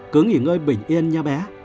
cứ nghỉ ngơi bình yên nha bé